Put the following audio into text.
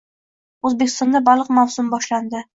O‘zbekistonda baliq mavsumi boshlandi